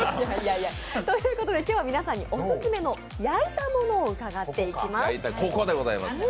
ということで今日は皆さんにオススメの焼いたものを教えていただきます。